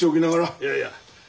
いやいや。